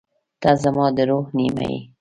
• ته زما د روح نیمه یې.